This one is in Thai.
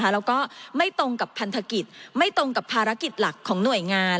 แล้วก็ไม่ตรงกับพันธกิจไม่ตรงกับภารกิจหลักของหน่วยงาน